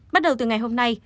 bắt đầu từ ngày hôm nay